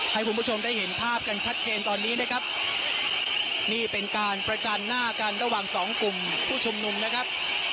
ให้คุณผู้ชมได้เห็นภาพกันชัดเจนตอนนี้นะครับนี่เป็นการประจันหน้ากันระหว่างสองกลุ่มผู้ชุมนุมนะครับ